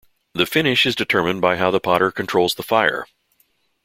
The finish is determined by how the potter controls the fire.